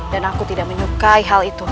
dan aku tidak menyukai hal itu